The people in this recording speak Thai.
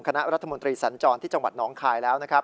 คณะรัฐมนตรีสัญจรที่จังหวัดน้องคายแล้วนะครับ